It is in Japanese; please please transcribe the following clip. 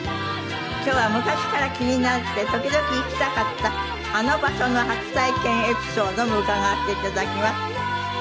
今日は昔から気になって時々行きたかったあの場所の初体験エピソードも伺わせていただきます。